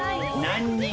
何人。